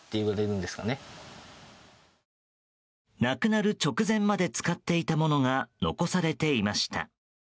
亡くなる直前まで使っていたものが残されていました。